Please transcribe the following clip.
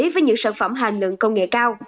với những sản phẩm hành lượng công nghệ cao